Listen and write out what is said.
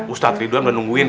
ustadz ridwan udah nungguin